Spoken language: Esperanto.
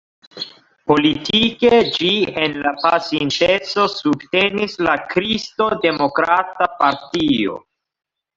Politike ĝi en la pasinteco subtenis la Kristo-Demokrata partio.